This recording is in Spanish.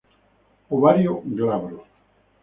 Ovario glabro.